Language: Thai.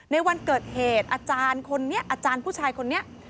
ในวันเกิดเหตุอาจารย์ผู้ชายคนนี้